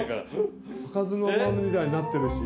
開かずの間みたいになってるし。